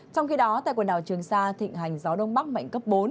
trong khi đó tại quần đảo trường sa thịnh hành gió đông bắc mạnh cấp bốn